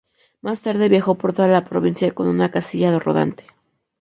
Más tarde viajó por toda la provincia con una casilla rodante.